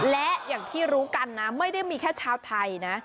และอย่างที่รู้กันนะไม่ได้มีแค่ชาวไทยนะ